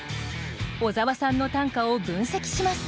小沢さんの短歌を分析します。